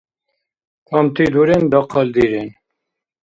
Камти дурен, дахъал дирен.